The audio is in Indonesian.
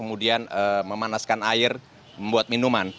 memanaskan air membuat minuman